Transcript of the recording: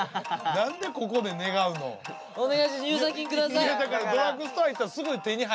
いやだからドラッグストア行ったらすぐ手に入るから！